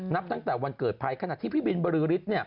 นับตั้งแต่วันเกิดภัยขณะที่พี่บินบรือฤทธิ์